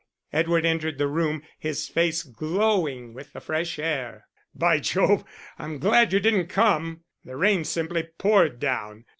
Edward entered the room, his face glowing with the fresh air. "By Jove, I'm glad you didn't come. The rain simply poured down.